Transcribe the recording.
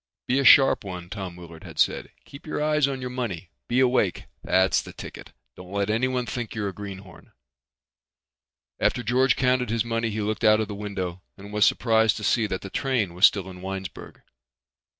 "Be a sharp one," Tom Willard had said. "Keep your eyes on your money. Be awake. That's the ticket. Don't let anyone think you're a greenhorn." After George counted his money he looked out of the window and was surprised to see that the train was still in Winesburg.